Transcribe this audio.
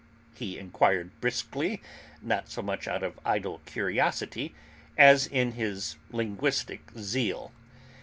he inquired briskly, not so much out of idle curiosity as in his linguistic zeal.